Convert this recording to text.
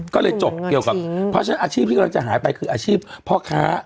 ก็เลยจบเกี่ยวกับเพราะฉะนั้นอาชีพที่กำลังจะหายไปคืออาชีพพ่อค้า